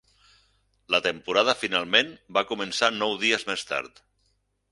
La temporada finalment va començar nou dies més tard.